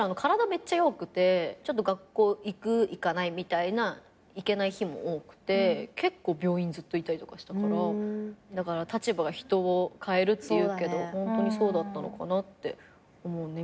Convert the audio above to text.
めっちゃ弱くてちょっと学校行く行かないみたいな行けない日も多くて結構病院ずっといたりとかしたからだから立場が人を変えるっていうけどホントにそうだったのかなって思うね。